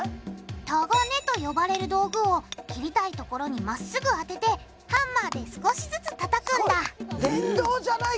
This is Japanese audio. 「タガネ」と呼ばれる道具を切りたいところにまっすぐあててハンマーで少しずつたたくんだ電動じゃない。